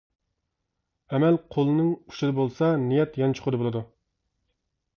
ئەمەل قولنىڭ ئۇچىدا بولسا، نىيەت يانچۇقىدا بولىدۇ.